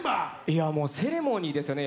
いやもうセレモニーですよね。